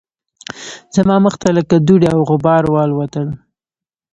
زما مخ ته لکه دوړې او غبار والوتل